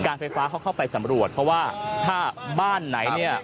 ไฟฟ้าเขาเข้าไปสำรวจเพราะว่าถ้าบ้านไหนเนี่ย